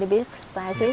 đó không phải đồ ăn